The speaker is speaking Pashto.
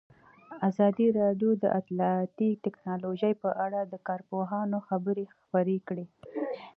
ازادي راډیو د اطلاعاتی تکنالوژي په اړه د کارپوهانو خبرې خپرې کړي.